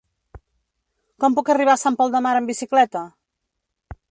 Com puc arribar a Sant Pol de Mar amb bicicleta?